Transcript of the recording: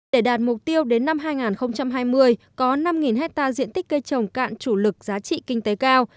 để đạt mục tiêu đến năm hai nghìn hai mươi có năm hectare diện tích cây trồng cạn chủ lực giá trị kinh tế cao